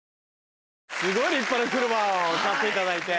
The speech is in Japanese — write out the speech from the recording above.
すごい立派な車を買っていただいて。